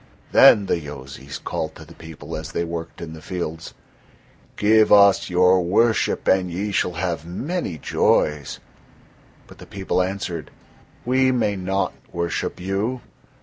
Then the Yozis called to the people as they worked in the fields: "Give us your worship and ye shall have many joys." But the people answered: "We may not worship you."